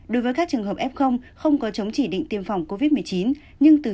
đối với các trường hợp f không có chống chỉ định tiêm phòng covid một mươi chín